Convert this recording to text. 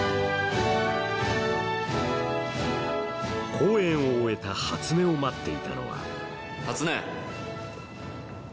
公演を終えた初音を待っていたのは初音。